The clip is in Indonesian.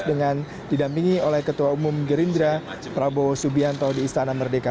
dengan didampingi oleh ketua umum gerindra prabowo subianto di istana merdeka